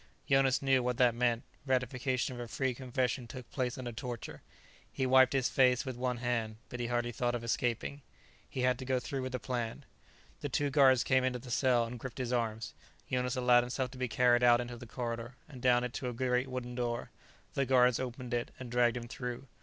Jonas knew what that meant: ratification of a free confession took place under torture. He wiped his face with one hand, but he hardly thought of escaping. He had to go through with the plan. The two guards came into the cell and gripped his arms. Jonas allowed himself to be carried out into the corridor, and down it to a great wooden door. The guards opened it, and dragged him through.